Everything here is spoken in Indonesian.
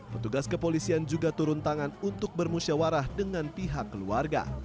petugas kepolisian juga turun tangan untuk bermusyawarah dengan pihak keluarga